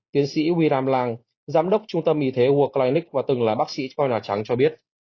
tiến sĩ william lang giám đốc trung tâm y thế world clinic và từng là bác sĩ coina trắng cho biết